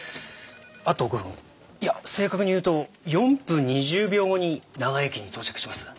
あと５分いや正確に言うと４分２０秒後に長井駅に到着します。